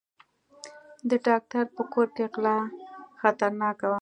د ډاکټر په کور کې غلا خطرناکه وه.